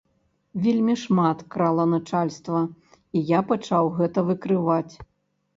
Вельмі шмат крала начальства, і я пачаў гэта выкрываць.